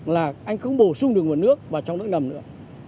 là anh không bổ sung được nguồn nước vào trong nước ngầm nữa